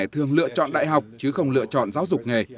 thường lựa chọn đại học chứ không lựa chọn giáo dục nghề